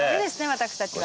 私たちは。